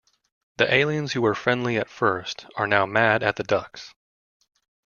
The aliens who were friendly at first are now mad at the Ducks.